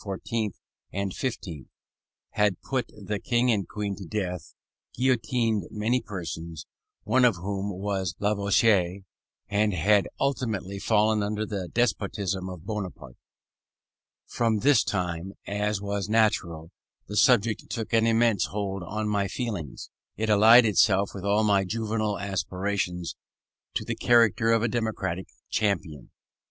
and XV., had put the King and Queen to death, guillotined many persons, one of whom was Lavoisier, and had ultimately fallen under the despotism of Bonaparte. From this time, as was natural, the subject took an immense hold of my feelings. It allied itself with all my juvenile aspirations to the character of a democratic champion.